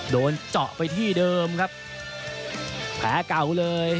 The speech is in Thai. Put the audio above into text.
โดนเจาะไปที่เดิมครับแผลเก่าเลย